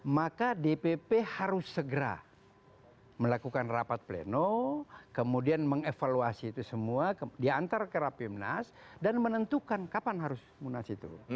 maka dpp harus segera melakukan rapat pleno kemudian mengevaluasi itu semua diantar ke rapimnas dan menentukan kapan harus munas itu